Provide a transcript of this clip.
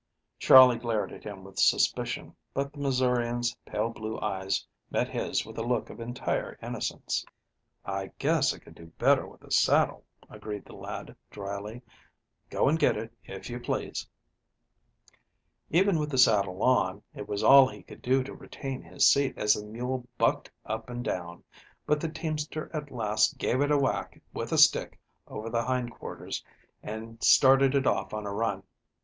Charley glared at him with suspicion, but the Missourian's pale blue eyes met his with a look of entire innocence. "I guess I could do better with a saddle," agreed the lad dryly. "Go and get it, if you please." Even with the saddle on, it was all he could do to retain his seat as the mule bucked up and down. But the teamster at last gave it a whack with a stick over the hind quarters and started it off on a run.